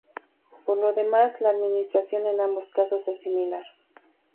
Por lo demás, la administración en ambos casos es similar.